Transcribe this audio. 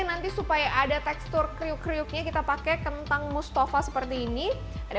nanti supaya ada tekstur kriuk kriuknya kita pakai kentang mustafa seperti ini ada